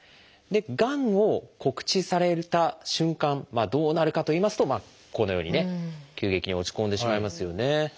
がんを告知された瞬間どうなるかといいますとこのようにね急激に落ち込んでしまいますよね。